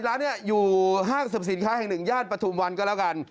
ร้านนี้อยู่ห้างสรรพสินค้าแห่งหนึ่งย่านปฐุมวันก็แล้วกัน